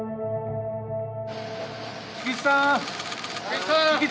菊池さん！